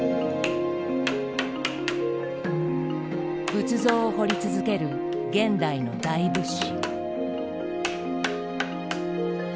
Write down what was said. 仏像を彫り続ける現代の「大仏師」。